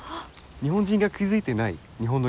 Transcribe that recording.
日本人が気付いてない日本のいいところ。